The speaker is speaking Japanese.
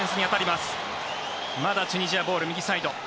まだチュニジアボール右サイド。